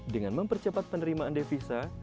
dengan mempercepat penerimaan devisa